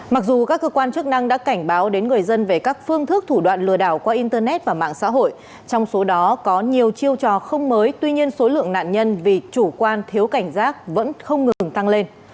mặc dù các cơ quan chức năng đã cảnh báo đến người dân về các phương thức thủ đoạn lừa đảo qua internet và mạng xã hội trong số đó có nhiều chiêu trò không mới tuy nhiên số lượng nạn nhân vì chủ quan thiếu cảnh giác vẫn không ngừng tăng lên